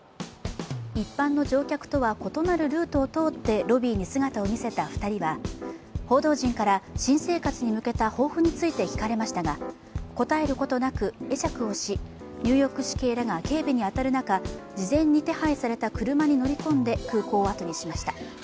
一般の乗客とは異なるルートを通ってロビーに姿を見せた２人は報道陣から新生活に向けた抱負について聞かれましたが答えることなく、会釈をし、ニューヨーク市警らが警備に当たる中、事前に手配された車に乗り込んで空港をあとにしました。